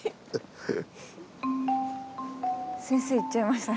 先生行っちゃいましたね。